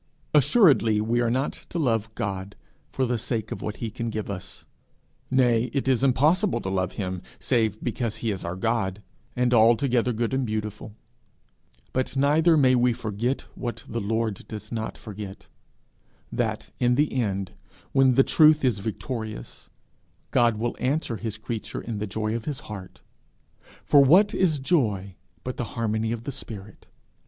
Assuredly we are not to love God for the sake of what he can give us; nay, it is impossible to love him save because he is our God, and altogether good and beautiful; but neither may we forget what the Lord does not forget, that, in the end, when the truth is victorious, God will answer his creature in the joy of his heart. For what is joy but the harmony of the spirit!